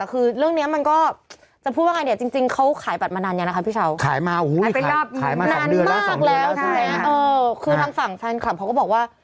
คือบางฝั่งแฟนคลับก็บอกว่า